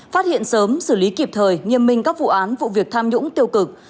phát hiện sớm xử lý kịp thời nghiêm minh các vụ án vụ việc tham nhũng tiêu cực